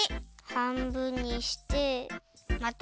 はんぶんにしてまたはんぶん！